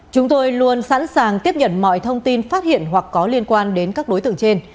chúng tôi luôn sẵn sàng tiếp nhận mọi thông tin phát hiện hoặc có liên quan đến các đối tượng trên